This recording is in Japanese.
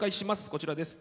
こちらです。